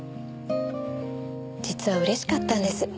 実は嬉しかったんです。